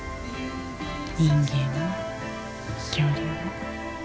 人間も恐竜も。